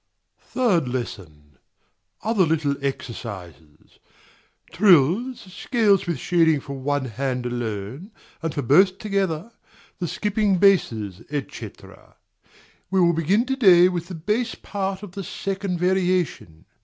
Third Lesson. Other little exercises; trills, scales with shading for one hand alone and for both together; the skipping basses, &c. We will begin to day with the bass part of the second variation.